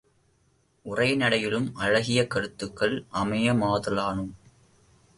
உரைநடையிலும் அழகிய கருத்துகள் அமையுமாதலானும்